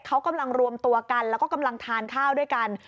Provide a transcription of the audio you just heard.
เขากำลังรวมตัวกันแล้วก็กำลังทานข้าวด้วยกัน